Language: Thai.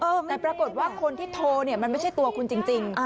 แต่ปรากฏว่าคนที่โทรเนี่ยมันไม่ใช่ตัวคุณจริง